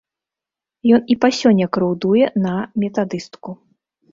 Ён і па сёння крыўдуе на метадыстку.